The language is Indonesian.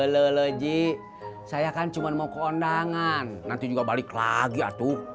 lo lo jik saya kan cuma mau ke ondangan nanti juga balik lagi atuh